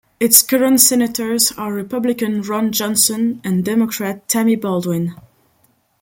Its current senators are Republican Ron Johnson and Democrat Tammy Baldwin.